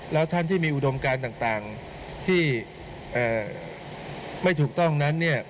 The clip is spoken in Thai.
แล้วท่านที่มีอุดมการต่างที่ไม่ถูกต้องนั้นเนี่ย